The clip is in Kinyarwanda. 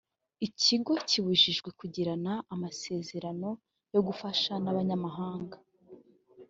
ikigo kibujijwe kugirana amasezerano yo gufasha n’abanyamahanga